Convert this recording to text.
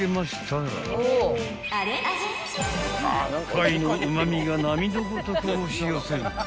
［貝のうま味が波のごとく押し寄せる］